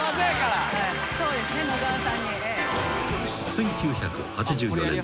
［１９８４年］